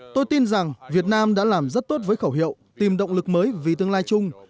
tôi tin rằng việt nam đã làm rất tốt với khẩu hiệu tìm động lực mới vì tương lai chung